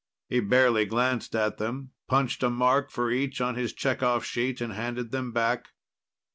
He barely glanced at them, punched a mark for each on his checkoff sheet, and handed them back.